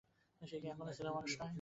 সে কি এখনো ছেলেমানুষ নয়?